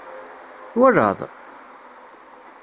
Twalaḍ!